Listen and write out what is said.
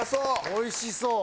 おいしそう！